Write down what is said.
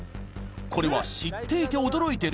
これは知っていて驚いてる？